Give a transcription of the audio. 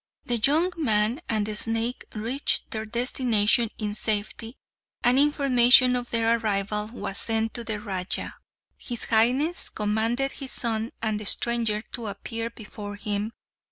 The young man and the snake reached their destination in safety; and information of their arrival was sent to the Raja. His highness commanded his son and the stranger to appear before him.